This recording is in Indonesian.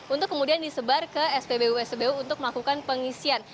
untuk kemudian disebar ke spbu spbu untuk melakukan pengisian